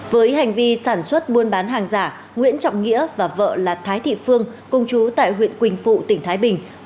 với hành vi sản xuất buôn bán hàng giả nguyễn trọng nghĩa và vợ là thái thị phương công chú tại huyện quỳnh phụ tỉnh thái bình